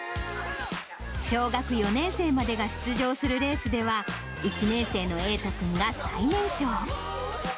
小学４年生までが出場するレースでは、１年生の瑛斗君は最年少。